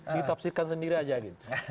ditapsirkan sendiri aja gitu